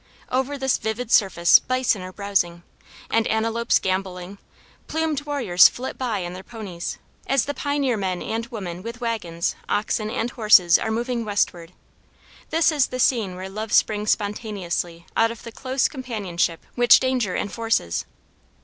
Over this vivid surface bison are browsing, and antelopes gambolling; plumed warriors flit by on their ponies, as the pioneer men and women with wagons, oxen and horses are moving westward. This is the scene where love springs spontaneously out of the close companionship which danger enforces.